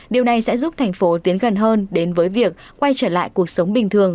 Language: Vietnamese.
điều này sẽ giúp thành phố tiến gần hơn đến với việc quay trở lại cuộc sống bình thường